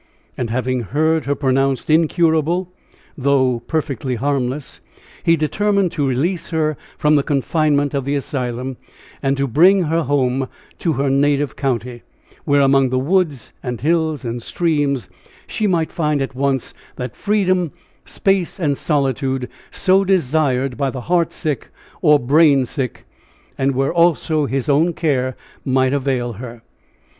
And having heard her pronounced incurable, though perfectly harmless, he determined to release her from the confinement of the asylum, and to bring her home to her native county, where, among the woods and hills and streams, she might find at once that freedom, space and solitude so desired by the heart sick or brain sick, and where also his own care might avail her.